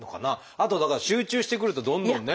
あとだから集中してくるとどんどんね。